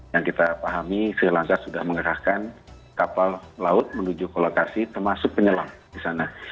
yang kita pahami sri lansa sudah mengerahkan kapal laut menuju ke lokasi termasuk penyelam di sana